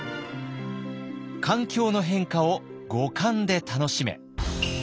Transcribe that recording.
「環境の変化を五感で楽しめ！」。